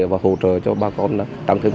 và hỗ trợ cho bà con tăng thêm